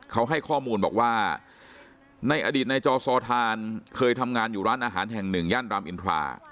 เขาให้ข้อมูลบอกว่าในอดีตในจอซอทานเคยทำงานอยู่ร้านอาหารแห่งหนึ่งย่านรามอินทรา